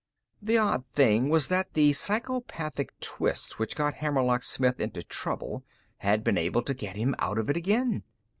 The odd thing was that the psychopathic twist which got Hammerlock Smith into trouble had been able to get him out of it again.